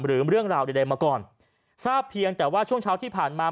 หรือเรื่องราวใดมาก่อนทราบเพียงแต่ว่าช่วงเช้าที่ผ่านมา